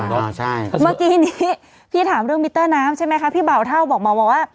เมื่อกี้นี้พี่ถามเรื่องมิเตอร์น้ำใช่ไหมคะพี่เบาเท่าบอกมาบอกว่า